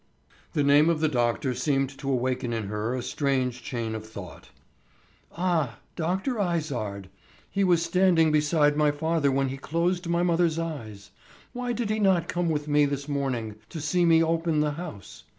The name of the doctor seemed to awaken in her a strange chain of thought. "Ah, Dr. Izard! He was standing beside my father when he closed my mother's eyes. Why did he not come with me this morning to see me open the house?